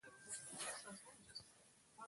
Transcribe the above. اوس کولی شئ چې ولې مایع پورته یا ټیټه ځي.